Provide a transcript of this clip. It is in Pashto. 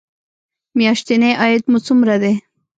میاشتنی عاید مو څومره دی؟